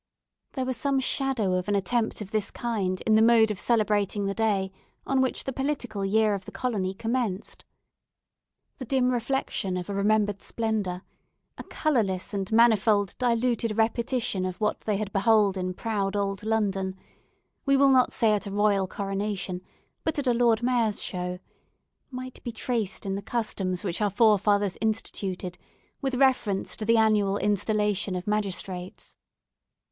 There was some shadow of an attempt of this kind in the mode of celebrating the day on which the political year of the colony commenced. The dim reflection of a remembered splendour, a colourless and manifold diluted repetition of what they had beheld in proud old London—we will not say at a royal coronation, but at a Lord Mayor's show—might be traced in the customs which our forefathers instituted, with reference to the annual installation of magistrates.